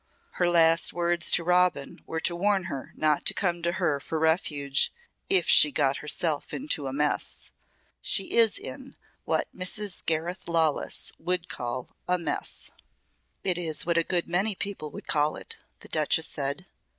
"Her last words to Robin were to warn her not to come to her for refuge 'if she got herself into a mess.' She is in what Mrs. Gareth Lawless would call 'a mess.'" "It is what a good many people would call it," the Duchess said.